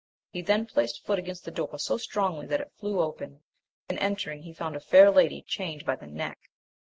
He then placed foot against the door so strongly that it flew open, and entering he found a fair lady chained by the neck.